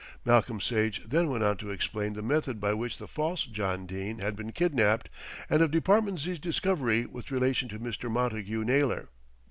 Malcolm Sage then went on to explain the method by which the false John Dene had been kidnapped, and of Department Z.'s discovery with relation to Mr. Montagu Naylor.